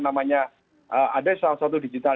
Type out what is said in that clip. namanya ada salah satu digital